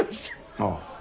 ああ。